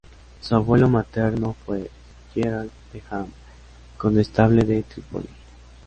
Su abuelo materno fue Gerard de Ham, condestable de Trípoli.